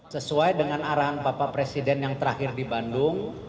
sesuai dengan arahan bapak presiden yang terakhir di bandung